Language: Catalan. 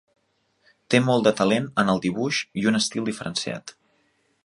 Té molt de talent en el dibuix i un estil diferenciat.